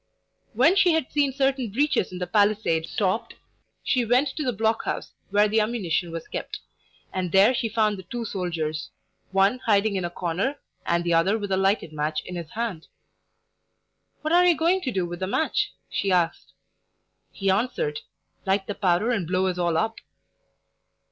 When she had seen certain breaches in the palisade stopped, she went to the block house, where the ammunition was kept; and there she found the two soldiers, one hiding in a corner, and the other with a lighted match in his hand. "What are you going to do with that match?" she asked. He answered: "Light the powder and blow us all up."